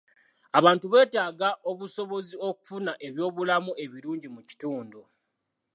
Abantu beetaaga obusobozi okufuna ebyobulamu ebirungi mu kitundu.